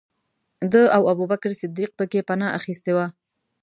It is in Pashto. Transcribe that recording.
ده او ابوبکر صدیق پکې پنا اخستې وه.